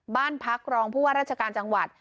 บ้านพักรองผู้ว่าราชการจังหวัด